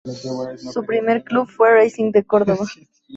Su primer club fue Racing de Córdoba.